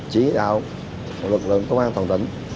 chỉ đạo lực lượng công an thuận tỉnh